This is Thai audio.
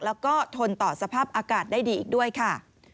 แล้วก็ทนต่อสภาพอากาศได้ดีอีกด้วยค่ะ